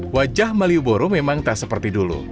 wajah malioboro memang tak seperti dulu